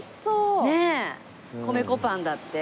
米粉パンだって。